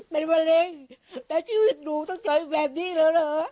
เป็นมะเร็งแล้วชีวิตหนูต้องเจอแบบนี้แล้วเหรอ